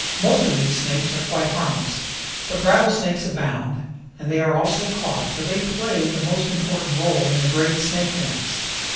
Most of these snakes are quite harmless, but rattlesnakes abound, and they are also caught, for they play the most important role in the great snake dance.